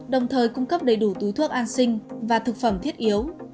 đồng thời cung cấp đầy đủ túi thuốc an sinh và thực phẩm thiết yếu